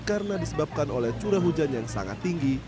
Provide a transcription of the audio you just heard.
karena disebabkan oleh curah hujan yang sangat tinggi